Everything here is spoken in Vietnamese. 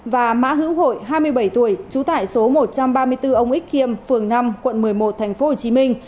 và mã hữu hội hai mươi bảy tuổi trú tại số một trăm ba mươi bốn ông ích khiêm phường năm quận một mươi một thành phố hồ chí minh